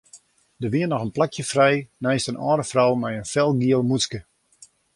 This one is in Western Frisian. Der wie noch in plakje frij neist in âlde frou mei in felgiel mûtske.